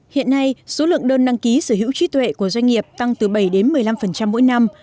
hiện nay số lượng đơn đăng ký sở hữu trí tuệ của doanh nghiệp tăng từ bảy đến một mươi năm mỗi năm